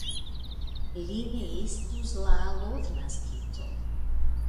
Li ne estus la alodnaskito!